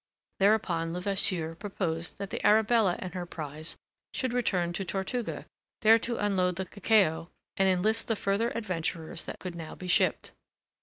Thereupon Levasseur proposed that the Arabella and her prize should return to Tortuga there to unload the cacao and enlist the further adventurers that could now be shipped.